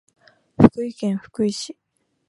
福井県福井市